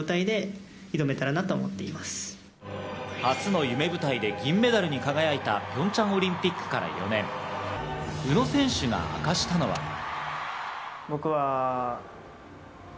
初の夢舞台で銀メダルに輝いたピョンチャンオリンピックから４年、宇野選手が明かしたのは。